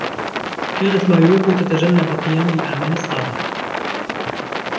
كانت مايوكو تتجنب القيام بالأعمال الصعبة.